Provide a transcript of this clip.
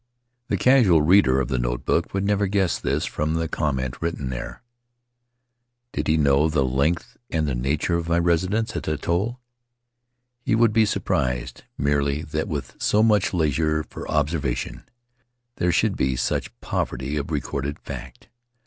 The casual reader of the notebook would never guess this from the comment written there. Did he know Faery Lands of the South Seas the length and the nature of my residence at the atoll, he would be surprised, merely, that with so much leisure for observation there should be such poverty of recorded fact.